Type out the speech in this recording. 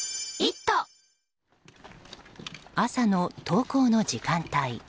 朝の登校の時間帯。